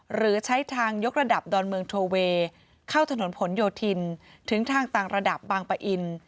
หรือใช้ทางยกระดับดอนเมืองโทเวย์เข้าถนนผลโยธินถึงทางต่างระดับบางปะอิน